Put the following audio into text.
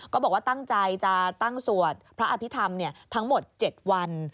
ก็บอกว่าตั้งใจจะตั้งสวดพระอภิษฐรรมทั้งหมด๗วัน